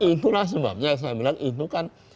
itulah sebabnya yang saya bilang itu kan